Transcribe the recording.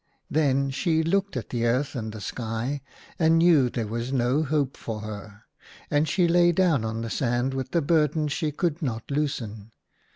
Then she looked at the earth and the sky, and knew there was no hope for her ; and she lay down on the sand with the burden she could not loosen.